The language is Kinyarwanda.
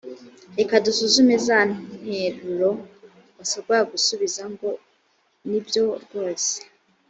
reka dusuzume za nteruro wasabwaga gusubiza ngo ni byo rwose